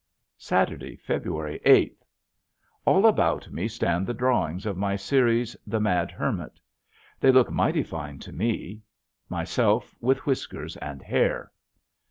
Saturday, February eighth. All about me stand the drawings of my series, the "Mad Hermit." They look mighty fine to me. Myself with whiskers and hair!